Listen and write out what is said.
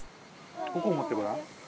ここを持ってごらん。